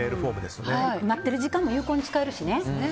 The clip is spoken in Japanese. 待ってる時間も有効に使えるしね。